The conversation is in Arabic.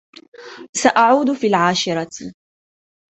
سأعود في العاشرة.